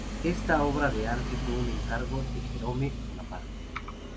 Esta obra fue un encargo de Jerome Bonaparte.